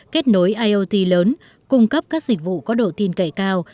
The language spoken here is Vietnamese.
kết nối iot lớn cung cấp các dịch vụ có độ tin cậy cao